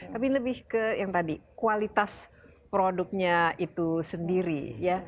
tapi lebih ke yang tadi kualitas produknya itu sendiri ya